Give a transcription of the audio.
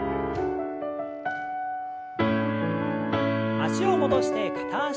脚を戻して片脚跳び。